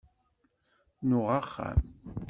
Nuɣ axxam.